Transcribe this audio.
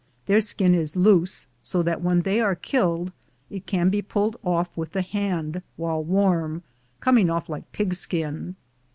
Their skin is loose, so that when they are killed it can be pulled off with the hand while warm, coming off like pigskin.